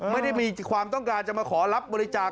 ไม่ได้มีความต้องการจะมาขอรับบริจาค